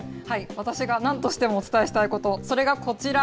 私がなんとしてもお伝えしたいこと、それがこちら。